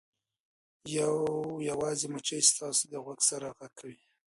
یو یوازې مچۍ ستاسو د غوږ سره غږ کوي